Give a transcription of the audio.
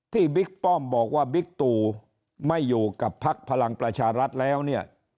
บิ๊กป้อมบอกว่าบิ๊กตูไม่อยู่กับพักพลังประชารัฐแล้วเนี่ย